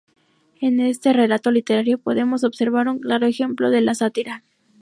En este relato literario podemos observar un claro ejemplo de la sátira.